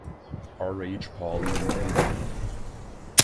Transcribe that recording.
R. H. Pauli in command.